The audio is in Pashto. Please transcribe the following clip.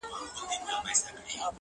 د وه بُت تراشۍ ته، تماشې د ښار پرتې دي،